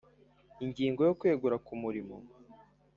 Ingingo ya Kwegura ku murimo